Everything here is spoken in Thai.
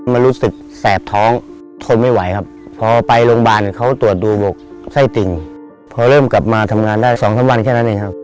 มันรู้สึกแสบท้องทนไม่ไหวครับพอไปโรงพยาบาลเขาตรวจดูบอกไส้ติ่งพอเริ่มกลับมาทำงานได้สองสามวันแค่นั้นเองครับ